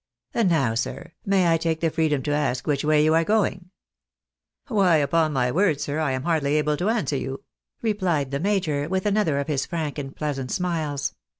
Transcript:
And now, sir, may I take the freedom to ask which way you are going ?"" Why, upon my word, sir, I am hardly able to answer you," replied the major, with another of his frank and pleasant smiles.